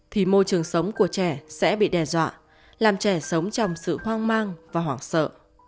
thì môi trường sống của trẻ sẽ bị đe dọa làm trẻ sống trong sự hoang mang và hoảng sợ